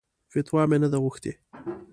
فتوا مې نه ده غوښتې.